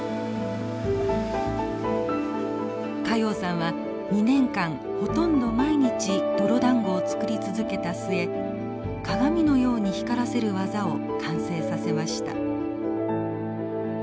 加用さんは２年間ほとんど毎日泥だんごを作り続けた末鏡のように光らせる技を完成させました。